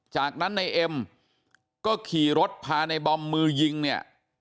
จากนั้นในเอ็มก็ขี่รถพาในบอมมือยิงเนี่ย